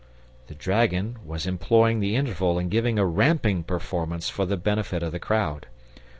The dragon was employing the interval in giving a ramping performance for the benefit of the crowd.